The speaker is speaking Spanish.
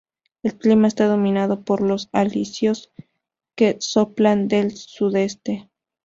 El clima está dominado por los alisios, que soplan del sudeste.